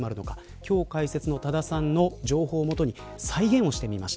今日解説の多田さんの情報を基に再現してみました。